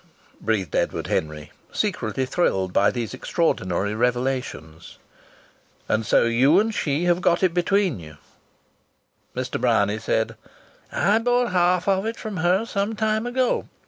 breathed Edward Henry, secretly thrilled by these extraordinary revelations. "And so you and she have got it between you?" Mr. Bryany said: "I bought half of it from her some time ago.